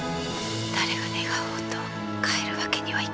誰が願おうと帰るわけにはいかぬ。